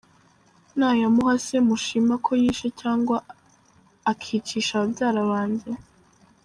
Nayamuha se mushima ko yishe cg akicisha babyara banjye?